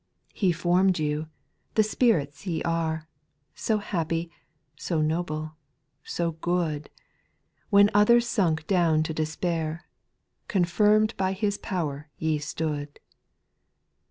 He formed you, the spirits ye are. So happy, so noble, so good ; When others sunk down to despair, Confirmed by His power ye stood.